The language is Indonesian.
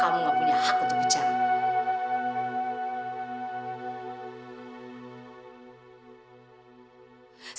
kamu gak punya hak untuk bicara